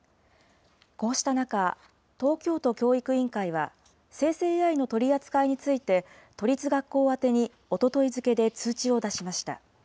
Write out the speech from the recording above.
こうした中、東京都教育委員会は、生成ＡＩの取り扱いについて、都立学校宛てにおととい付けで通知を出しました。